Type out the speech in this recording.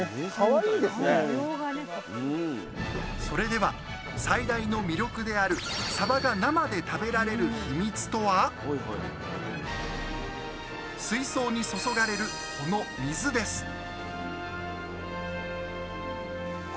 それでは最大の魅力であるサバが生で食べられるヒミツとは水槽に注がれるこの水です！